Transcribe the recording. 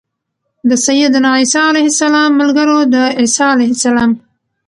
د سيّدنا عيسی عليه السلام ملګرو د عيسی علیه السلام